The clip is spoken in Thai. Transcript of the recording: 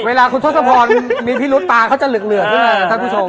เวลาคุณทศพรมีพิรุษตาเขาจะเหลือกใช่ไหมท่านผู้ชม